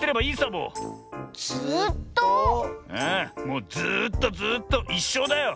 もうずっとずっといっしょうだよ。